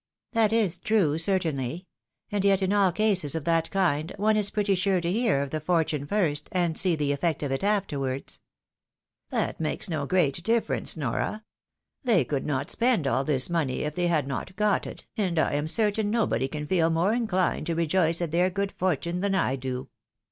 " That is true, certainly ; and yet, in all cases of that kind, one is pretty sure to hear of the fortune first, and see the efieot of it afterwards." " That makes no great difference, Nora. They could not spend all this money if they had not got it ; and I am certain nobody can feel more inclined to rejoice at their good fortune than I do."